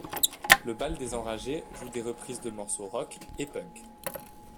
Le Bal des enragés joue des reprises de morceaux rock et punk.